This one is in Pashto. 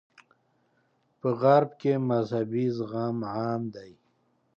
په غرب کې مذهبي زغم عام دی.